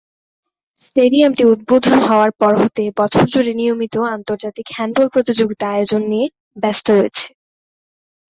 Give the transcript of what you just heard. স্টেডিয়ামটি উদ্বোধন হওয়ার পর হতে বছর জুড়ে নিয়মিত ও আন্তর্জাতিক হ্যান্ডবল প্রতিযোগিতা আয়োজন নিয়ে ব্যস্ত রয়েছে।